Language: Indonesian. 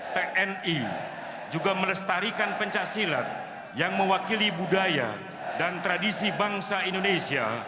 tni juga melestarikan pencaksilat yang mewakili budaya dan tradisi bangsa indonesia